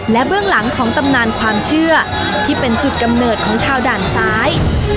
และเบื้องหลังของตำนานความเชื่อที่เป็นจุดกำเนิดของชาวด่านซ้าย